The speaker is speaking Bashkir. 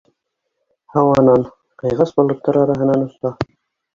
Һауанан, ҡыйғас болоттар араһынан оса!